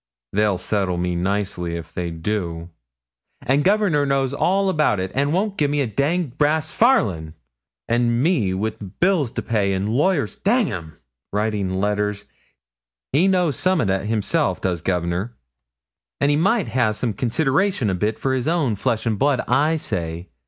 They'll settle me nicely if they do; and Governor knows all about it, and won't gi'e me a danged brass farthin', an' me wi' bills to pay, an' lawyers dang 'em writing letters. He knows summat o' that hisself, does Governor; and he might ha' consideration a bit for his own flesh and blood, I say.